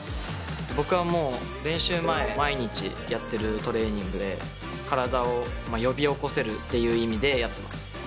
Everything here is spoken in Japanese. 僕はもう練習前毎日やってるトレーニングで体を呼び起こせるっていう意味でやってます。